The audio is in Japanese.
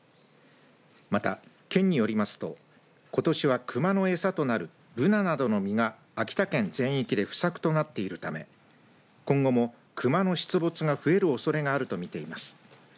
また、県によりますとことしは熊の餌となるぶななどの実が秋田県全域で不作となっているため今後も熊の出没が増えるおそれがあるとみています。